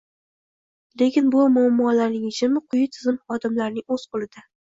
Lekin, bu muammolarning yechimi quyi tizim xodimlarining o‘z qo‘lida.